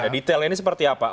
detailnya ini seperti apa